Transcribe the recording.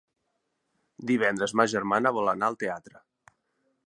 Divendres ma germana vol anar al teatre.